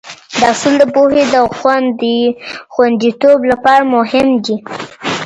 دا اصول د پوهې د خونديتوب لپاره مهم دي.